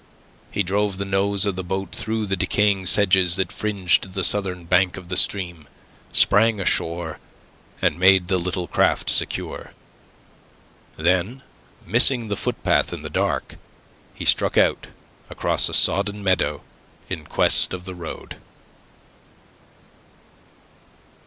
He drove the nose of the boat through the decaying sedges that fringed the southern bank of the stream, sprang ashore, and made the little craft secure. Then, missing the footpath in the dark, he struck out across a sodden meadow in quest of the road.